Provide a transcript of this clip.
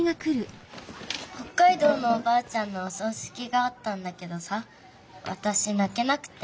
北海道のおばあちゃんのおそうしきがあったんだけどさわたしなけなくて。